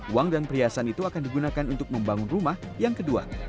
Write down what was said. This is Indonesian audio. uang dan perhiasan itu akan digunakan untuk membangun rumah yang kedua